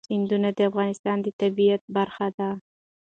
سیندونه د افغانستان د طبیعت برخه ده.